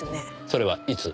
それはいつ？